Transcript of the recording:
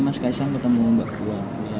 mas kaesang ketemu mbak buan